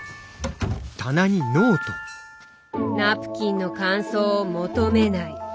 ナプキンの感想を求めない。